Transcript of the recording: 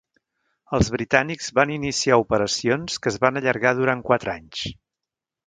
Els britànics van iniciar operacions que es van allargar durant quatre anys.